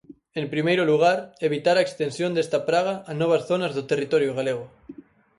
En primeiro lugar, evitar a extensión desta praga a novas zonas do territorio galego.